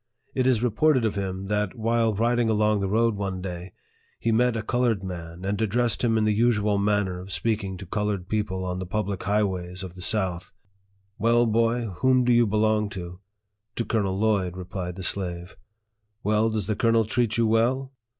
It is reported of him, that, while riding along the road one day, he met a colored man, and addressed him in the usual manner of speaking to colored people on the public highways of the south : "Well, boy, whom do you belong to ?"" To Colonel Lloyd," replied the slave. " Well, does the colonel treat you well